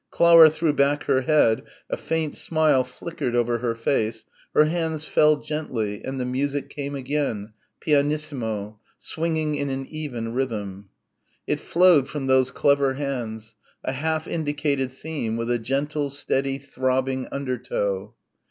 Clara threw back her head, a faint smile flickered over her face, her hands fell gently and the music came again, pianissimo, swinging in an even rhythm. It flowed from those clever hands, a half indicated theme with a gentle, steady, throbbing undertow.